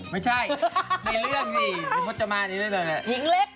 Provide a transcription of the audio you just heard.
ไม่ใช่มีเรื่องสิหญิงพจมานหญิงเล็ก